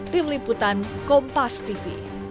tim liputan kompas tv